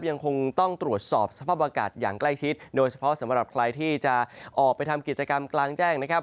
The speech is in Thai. ยังคงต้องตรวจสอบสภาพอากาศอย่างใกล้ชิดโดยเฉพาะสำหรับใครที่จะออกไปทำกิจกรรมกลางแจ้งนะครับ